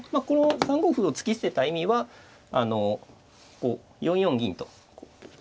この３五歩を突き捨てた意味は４四銀と。